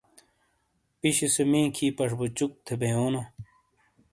پِیشی سے مِی کھِی پَش بو چُک تھے بیونو۔